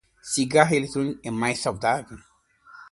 Cigarro eletrônico é mais saudável